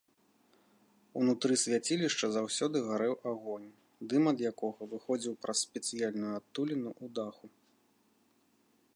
Унутры свяцілішча заўсёды гарэў агонь, дым ад якога выходзіў праз спецыяльную адтуліну ў даху.